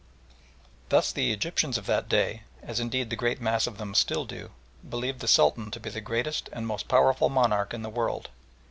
Thus the Egyptians of that day, as indeed the great mass of them still do, believed the Sultan to be the greatest and most powerful monarch in the world.